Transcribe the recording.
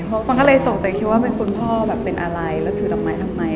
เพราะมันก็เลยตกใจคิดว่าเป็นคุณพ่อแบบเป็นอะไรแล้วถือดอกไม้ทำไม